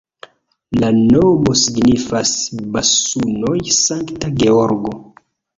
La nomo signifas Banusoj-Sankta Georgo.